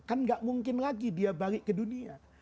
kan gak mungkin lagi dia balik ke dunia